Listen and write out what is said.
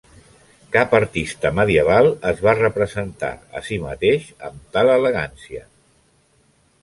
Cap artista medieval es va representar a si mateix amb tal elegància.